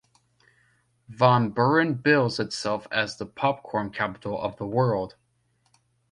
Van Buren bills itself as the Popcorn Capitol of the World.